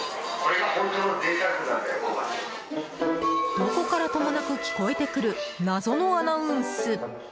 どこからともなく聞こえてくる謎のアナウンス。